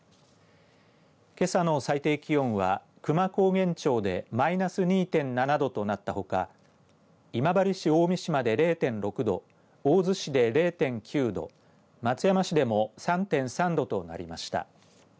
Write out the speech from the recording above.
けさの最低気温は久万高原町でマイナス２．７度となったほか今治市大三島で０．６度大洲市で０．９度松山市でも３．３度となりました。